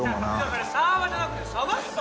それサーバーじゃなくて鯖っすよ！